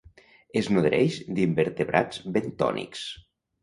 Es nodreix d'invertebrats bentònics.